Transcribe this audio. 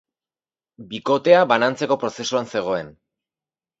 Bikotea banantzeko prozesuan zegoen.